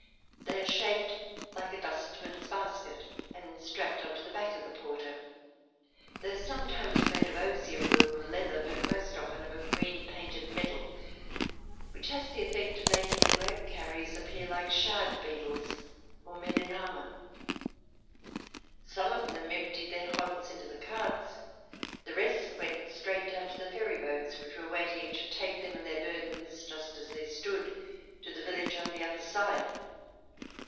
They are shaped like a dustman's basket and strapped on to the back of the porter; they are sometimes made of osier work of leather, but most often of a green painted metal, which has the effect of making the grape carriers appear like shard beetles or men in armour. Some of them emptied their hods into the carts, the rest went straight down to the ferry boats which were waiting to take them and their burdens, just as they stood, to the village on the other side.